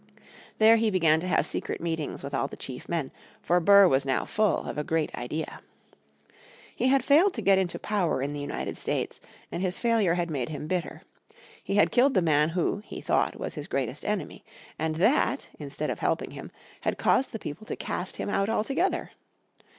There he began to have secret meetings with all the chief men, for Burr was now full of a great idea. He had failed to get into power in the United States, and his failure had made him bitter. He had killed the man who he thought was his greatest enemy. And that, instead of helping him, had caused the people to cast him out altogether.